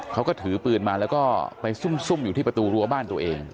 เขาก็ถือปืนมาแล้วก็ไปซุ่มอยู่ที่ประตูรั้วบ้านตัวเอง